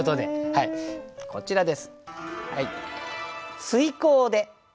こちらですはい。